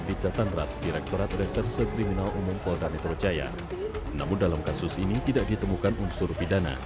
dikarenakan driver tersebut pun ternyata baru memulai menjadi driver selama satu bulan